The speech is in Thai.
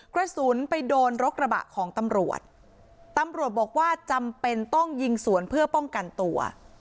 กระสุนไปโดนรถกระบะของตำรวจตำรวจบอกว่าจำเป็นต้องยิงสวนเพื่อป้องกันตัว